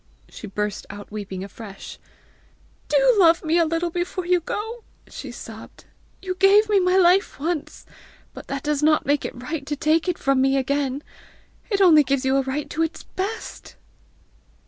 She burst out weeping afresh. "Do love me a little before you go," she sobbed. "You gave me my life once, but that does not make it right to take it from me again! It only gives you a right to its best!"